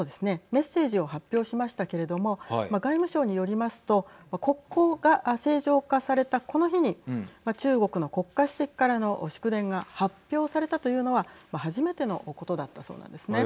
メッセージを発表しましたけれども外務省によりますと国交が正常化されたこの日に中国の国家主席からの祝電が発表されたというのは初めてのことだったそうなんですね。